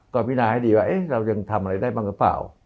ก็พินาให้ดีว่าเรายังทำอะไรได้บ้างหรือเปล่า